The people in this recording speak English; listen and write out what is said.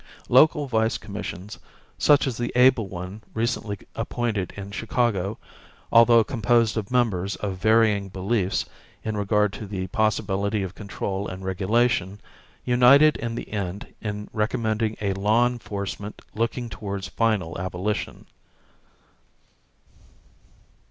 Local vice commissions, such as the able one recently appointed in Chicago, although composed of members of varying beliefs in regard to the possibility of control and regulation, united in the end in recommending a law enforcement looking towards final abolition.